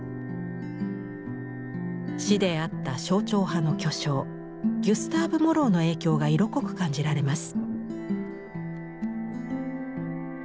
師であった象徴派の巨匠ギュスターブ・モローの影響が色濃く感じられます。